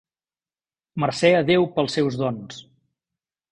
Mercè a Déu pels seus dons.